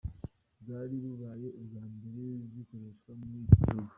Bwari bubaye ubwa mbere zikoreshwa muri ico gihugu.